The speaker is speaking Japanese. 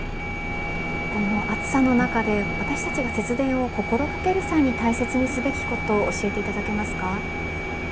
この暑さの中で私たちが節電を心掛ける際に大切にすべきこと教えていただけますか。